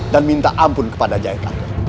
dan minta ampun kepada jahat